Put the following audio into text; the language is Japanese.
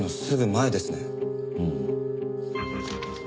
うん。